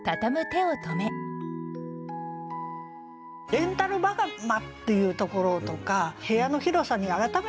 「レンタル袴」っていうところとか部屋の広さに改めて気が付いたって。